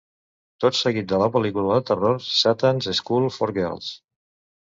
Tot seguit de la pel·lícula de terror "Satan's School for Girls".